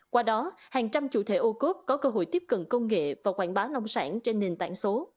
qua đó hàng trăm chủ thể ô cốt có cơ hội tiếp cận công nghệ và quảng bá nông sản trên nền tảng số